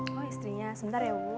oh istrinya sebentar ya bu